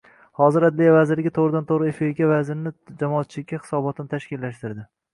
Hozir Adliya vazirligi toʻgʻridan-toʻgʻri efirda vazirni jamoatchilikka hisobotini tashkillashtirdi.